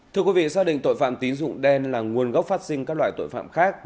thưa quý vị gia đình tội phạm tín dụng đen là nguồn gốc phát sinh các loại tội phạm khác